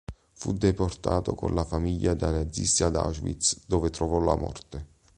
Fu deportato con la famiglia dai nazisti ad Auschwitz, dove trovò la morte.